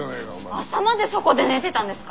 朝までそこで寝てたんですか？